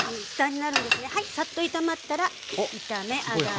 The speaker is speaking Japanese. サッと炒まったら炒め上がり。